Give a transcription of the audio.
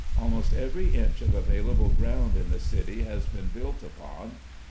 Almost every inch of available ground in the City has been built upon.